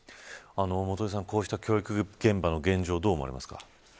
こうした教育現場の現状をどう思いますか。